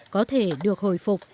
có thể được hồi phục